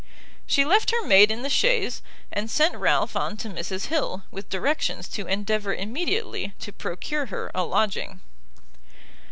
She left her maid in the chaise, and sent Ralph on to Mrs Hill, with directions to endeavour immediately to procure her a lodging.